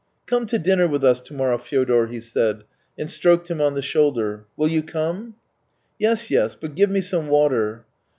" Come to dinner with us to morrow, Fyodor," he said, and stroked him on the shoulder. " Will you come ?"" Yes, yes; but give me some water."